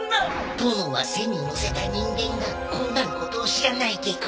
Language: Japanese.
殿は背に乗せた人間がこうなることを知らないゲコ。